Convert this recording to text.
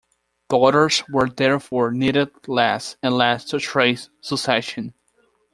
Daughters were therefore needed less and less to trace succession.